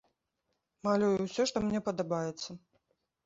Малюю ўсё, што мне падабаецца.